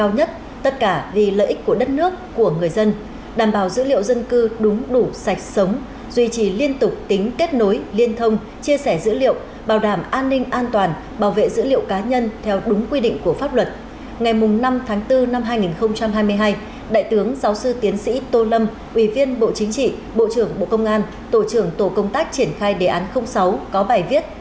ngày năm tháng bốn năm hai nghìn hai mươi hai đại tướng giáo sư tiến sĩ tô lâm ủy viên bộ chính trị bộ trưởng bộ công an tổ trưởng tổ công tác triển khai đề án sáu có bài viết